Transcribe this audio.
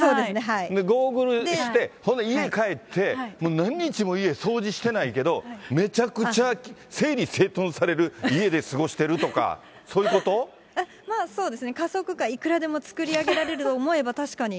ゴーグルして、ほんで家帰って、何日も家掃除してないけど、めちゃくちゃ整理整頓される家で過ごしてるとか、そういうまあ、そうですね、仮想空間、作り上げられる、思えば確かに。